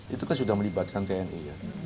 itu kan sudah melibatkan tni ya